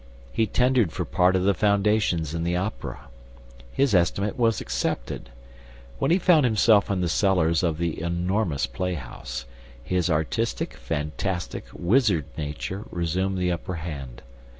He tendered for part of the foundations in the Opera. His estimate was accepted. When he found himself in the cellars of the enormous playhouse, his artistic, fantastic, wizard nature resumed the upper hand.